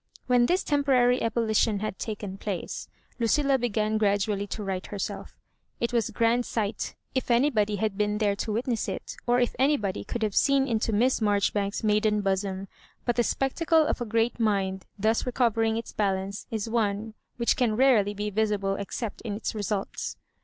When this temporary ebullition had taken place, Lucilla began gradually to right herseIC It was a grand sight, if anybody had been there to witness it, or if anybody could haVe seen into Miss Marjoribanks's maiden bosom; but the spectacle of a g^eat mind thus recovering its balance is one which can rarely be visible ex cept in its results.